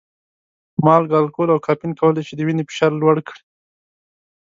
مالګه، الکول او کافین کولی شي د وینې فشار لوړ کړي.